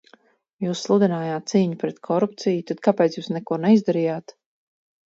Jūs sludinājāt cīņu pret korupciju, tad kāpēc jūs neko neizdarījāt?